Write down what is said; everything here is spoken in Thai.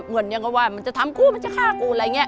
เหมือนยังก็ว่ามันจะทำกูมันจะฆ่ากูอะไรอย่างนี้